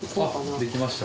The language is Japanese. できました？